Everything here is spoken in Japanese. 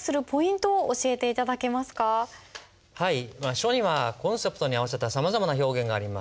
書にはコンセプトに合わせたさまざまな表現があります。